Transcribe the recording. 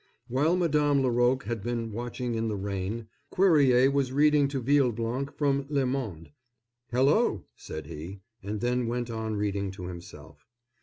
While Madame Laroque had been watching in the rain, Cuerrier was reading to Villeblanc from Le Monde. "Hello!" said he, and then went on reading to himself.